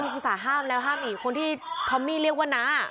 คนอุตสาหะห้ามแล้วห้ามหนิคนที่คอมมีเรียกว่านะ